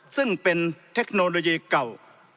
ซึ่งเป็นเทคโนโลยีเก่า